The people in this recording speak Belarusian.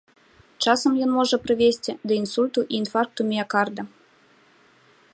Часам ён можа прывесці да інсульту і інфаркту міякарда.